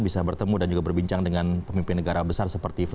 bisa bertemu dan berbincang dengan pemimpin negara besar